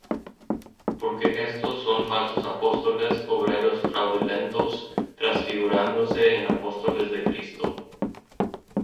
Porque éstos son falsos apóstoles, obreros fraudulentos, trasfigurándose en apóstoles de Cristo.